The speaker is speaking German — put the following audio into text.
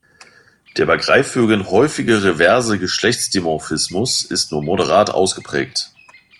Der bei Greifvögeln häufige reverse Geschlechtsdimorphismus ist nur moderat ausgeprägt.